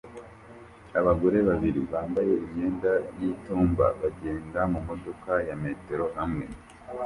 Abagore babiri bambaye imyenda y'itumba bagenda mumodoka ya metero hamwe